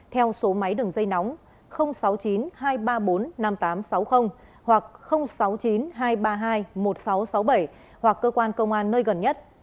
theo số máy đường dây nóng sáu mươi chín hai trăm ba mươi bốn năm nghìn tám trăm sáu mươi hoặc sáu mươi chín hai trăm ba mươi hai một nghìn sáu trăm sáu mươi bảy hoặc cơ quan công an nơi gần nhất